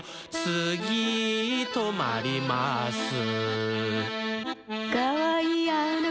「つぎとまります」